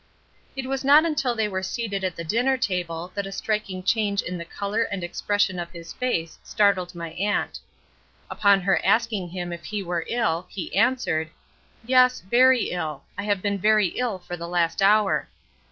It was not until they were seated at the dinner table that a striking change in the color and expression of his face startled my aunt. Upon her asking him if he were ill, he answered "Yes, very ill; I have been very ill for the last hour."